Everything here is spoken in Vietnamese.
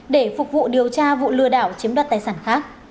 để phục vụ điều tra vụ lừa đảo chiếm đoạt tài sản khác